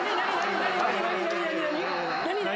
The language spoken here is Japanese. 何？